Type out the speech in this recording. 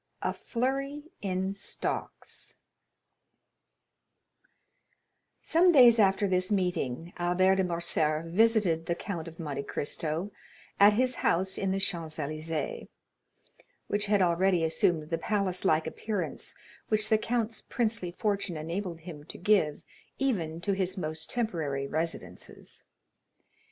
A Flurry in Stocks Some days after this meeting, Albert de Morcerf visited the Count of Monte Cristo at his house in the Champs Élysées, which had already assumed that palace like appearance which the count's princely fortune enabled him to give even to his most temporary residences.